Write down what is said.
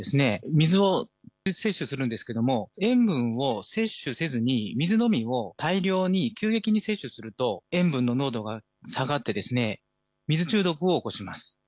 水を摂取するんですけども塩分を摂取せずに水のみを大量に急激に摂取すると塩分の濃度が下がって水中毒を起こします。